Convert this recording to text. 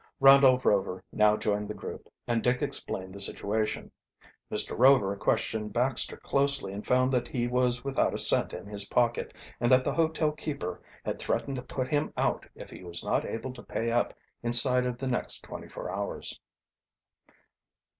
Randolph Rover now joined the group, and Dick explained the situation. Mr. Rover questioned Baxter closely and found that he was without a cent in his pocket and that the hotel keeper had threatened to put him out if he was not able to pay up inside of the next twenty four hours.